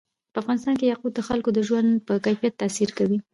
په افغانستان کې یاقوت د خلکو د ژوند په کیفیت تاثیر کوي.